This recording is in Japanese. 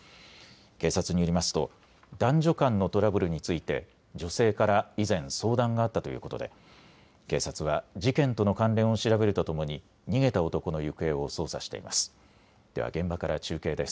警察によりますと男女間のトラブルについて女性から以前、相談があったということで警察は事件との関連を調べるとともに逃げた男の行方を捜査しています。